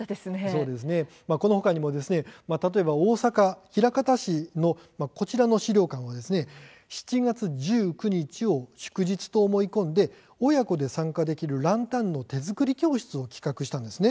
このほか大阪・枚方市のこちらの資料館は７月１９日を祝日と思い込んで親子で参加できるランタンの手作り教室を企画したんです。